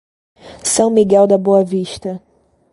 São Miguel da Boa Vista